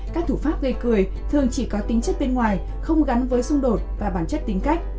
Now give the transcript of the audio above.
các thủ pháp gây cười thường chỉ có tính chất bên ngoài không gắn với xung đột và bản chất tính cách